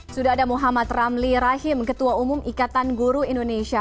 sudah ada muhammad ramli rahim ketua umum ikatan guru indonesia